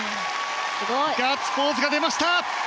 ガッツポーズが出ました！